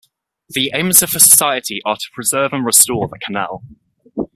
The aims of the society are to preserve and restore the canal.